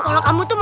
kalau kamu tuh